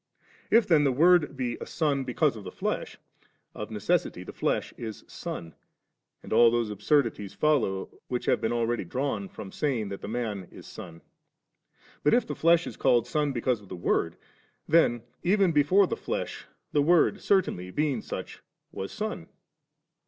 If then the I Word be a Son because of the flesh, of neces Isity the flesh is Son, and all those absurd jities follow which have been already drawn I from saying that the Man is Son. But if the I flesh is called Son because of the Word, then , even before the flesh the Word certainly, being such, was Son.